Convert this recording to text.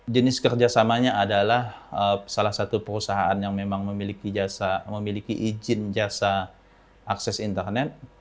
jenis kerjasamanya adalah salah satu perusahaan yang memang memiliki ijin jasa akses internet